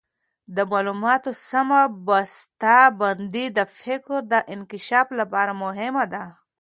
د معلوماتو سمه بسته بندي د فکر د انکشاف لپاره مهمه ده.